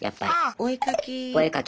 お絵描き。